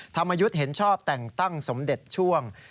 ธรรมยุทธ์เห็นชอบแต่งตั้งสมเด็จช่วง